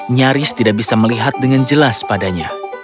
nyaris tidak bisa melihat dengan jelas padanya